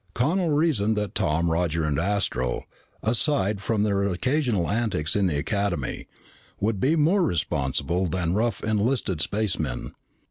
Connel reasoned that Tom, Roger, and Astro, aside from their occasional antics in the Academy, would be more responsible than rough enlisted spacemen.